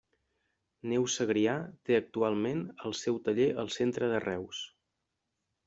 Neus Segrià té actualment el seu taller al centre de Reus.